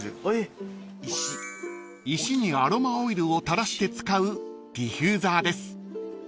［石にアロマオイルを垂らして使うディフューザーです］